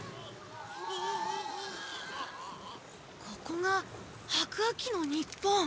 ここが白亜紀の日本。